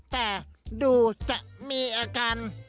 แต่ดูจะมีอาการ